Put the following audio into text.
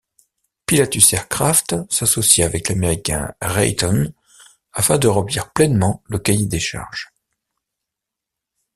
Pilatus Aircraft s’associa avec l'américain Raytheon afin de remplir pleinement le cahier des charges.